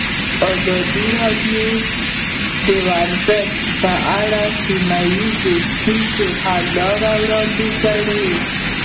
ازادي راډیو د ورزش په اړه د سیمه ییزو ستونزو حل لارې راوړاندې کړې.